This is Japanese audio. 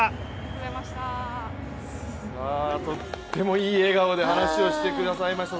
とってもいい笑顔で話をしてくださいました。